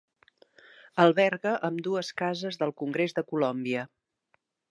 Alberga ambdues cases del congrés de Colombia.